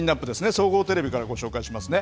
総合テレビから、ご紹介しますね。